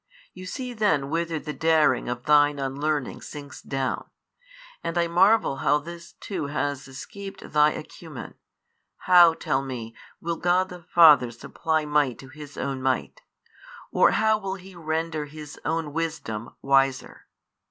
You see then whither the daring of thine unlearning sinks down. And I marvel how this too has escaped thy acumen.: how (tell me) will God the Father supply might to His own Might, or how will He render His own Wisdom wiser?